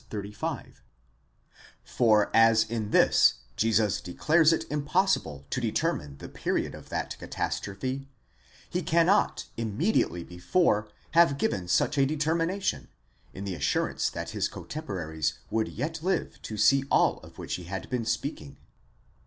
35: for as in this Jesus declares it impossible to determine the period of that catastrophe, he cannot immediately before have given such a determination, in the assurance that his cotemporaries would yet live to see all of which he had been speaking.